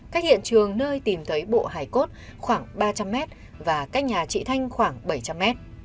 cách hiện trường nơi tìm thấy bộ hải cốt khoảng ba trăm linh m và cách nhà chị thanh khoảng bảy trăm linh m